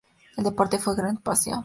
El deporte fue su gran pasión.